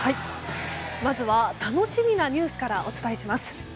まずは楽しみなニュースからお伝えします。